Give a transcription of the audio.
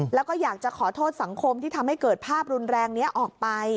แล้วก็อยากจะขอโทษสังคมที่ทำให้เกิดภาพรุนแรงนี้ออกไป